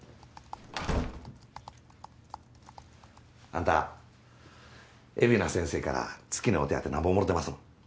あんた海老名先生から月のお手当なんぼもろうてますの？